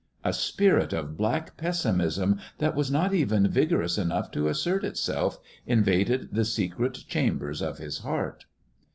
A spirit of black pessimism that was not even vigorous enough to assert itself, invaded the secret chambers of his heart....